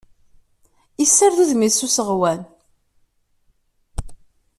Issared udem-is s useɣwen.